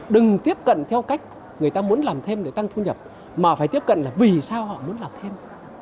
đừng tiếp cận theo cách người ta muốn làm thêm để tăng thu nhập mà phải tiếp cận là vì sao họ muốn làm thêm